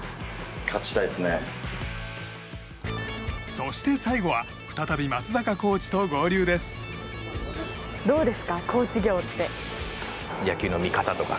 そして最後は再び松坂コーチと合流です。